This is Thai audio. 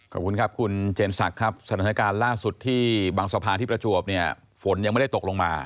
ขอบคุณครับคุณเจนศักดิ์ครับสถานการณ์ล่าสุดที่บางสะพานที่ประจวบเนี่ยฝนยังไม่ได้ตกลงมา